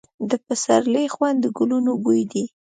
د پسرلي خوند د ګلونو بوی دی.